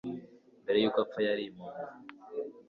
Mbere yuko apfa yari impumyi